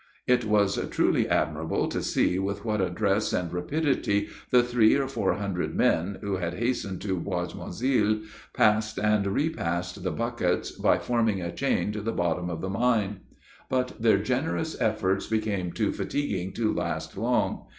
It was truly admirable to see with what address and rapidity the three or four hundred men, who had hastened to Bois Monzil, passed and repassed the buckets, by forming a chain to the bottom of the mine. But their generous efforts became too fatiguing to last long.